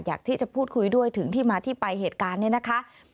อยากที่จะพูดคุยด้วยถึงที่มาที่ไปเหตุการณ์นี้นะคะ